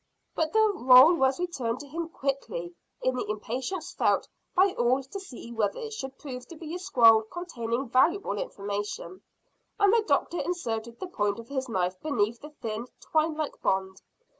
But the roll was returned to him quickly in the impatience felt by all to see whether it should prove to be a scroll containing valuable information, and the doctor inserted the point of his knife beneath the thin twine like bond.